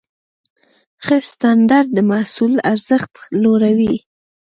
ښه سټنډرډ د محصول ارزښت لوړوي.